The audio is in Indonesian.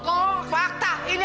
double art ke iranian